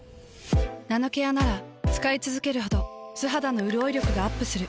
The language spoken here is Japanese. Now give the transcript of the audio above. ナノケアなら使いつづけるほど素肌のうるおい力がアップする。